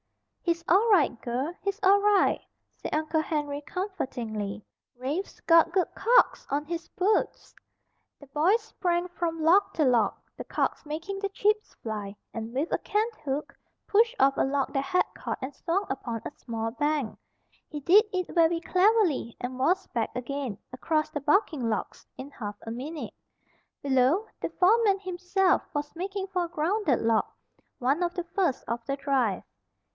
"He's all right, girl, he's all right," said Uncle Henry comfortingly. "Rafe's got good calks on his boots." The boy sprang from log to log, the calks making the chips fly, and with a canthook pushed off a log that had caught and swung upon a small bank. He did it very cleverly, and was back again, across the bucking logs, in half a minute. Below, the foreman himself was making for a grounded log, one of the first of the drive.